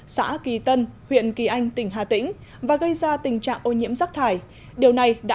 xã kỳ tân huyện kỳ anh tỉnh hà tĩnh và gây ra tình trạng ô nhiễm rác thải điều này đã